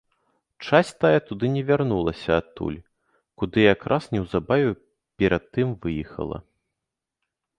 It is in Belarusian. Часць тая туды не вярнулася адтуль, куды якраз неўзабаве перад тым выехала.